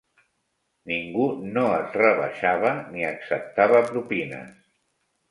Ningú no es rebaixava ni acceptava propines